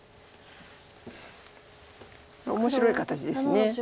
面白い形です。